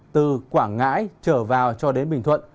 từ quảng ngãi trở vào cho đến bình thuận